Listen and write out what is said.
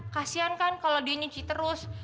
kasian kan kalau dia nyuci terus